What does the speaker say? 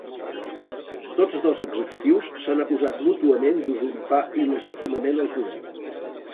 Tots dos executius s’han acusat mútuament d’usurpar il·legítimament el poder.